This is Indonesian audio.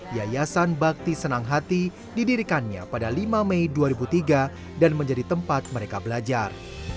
yayasan bakti senang hati didirikannya pada lima mei dua ribu tiga dan menjadi tempat mereka belajar